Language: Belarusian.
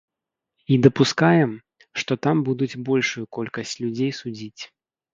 І дапускаем, што там будуць большую колькасць людзей судзіць.